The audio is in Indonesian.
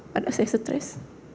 padahal saya stres